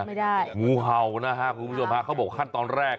งูเห่านะครับคุณผู้ชมเขาบอกขั้นตอนแรก